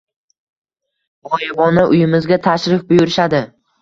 G‘oyibona uyimizga tashrif buyurishadi.